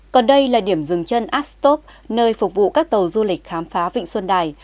còn đây là điểm dừng chân astop nơi phục vụ các tàu du lịch khám phá vịnh xuân đài